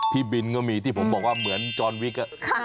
พี่บินก็มีที่ผมบอกว่าเหมือนจอนวิก